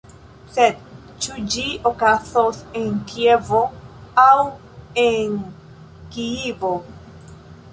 Sed ĉu ĝi okazos en Kievo aŭ en Kijivo?